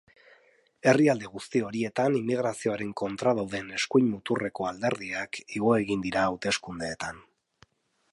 Herrialde guzti horietan inmigrazioaren kontra dauden eskuin muturreko alderdiak igo egin dira hauteskundeetan.